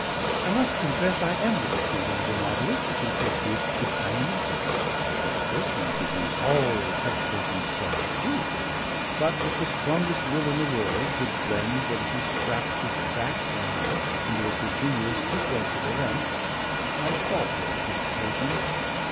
I must confess I envy the freedom of the novelist who can take you behind such a locked door as this and give you all that such persons say and do. But with the strongest will in the world to blend the little scraps of fact I have into a continuous sequence of events, I falter at this occasion.